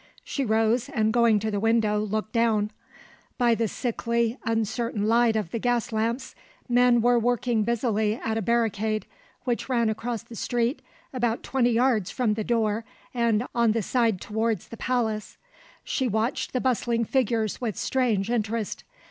She rose and going to the window looked down. By the sickly, uncertain light of the gas lamps men were working busily at a barricade, which ran across the street about twenty yards from the door and on the side towards the palace. She watched the bustling figures with strange interest.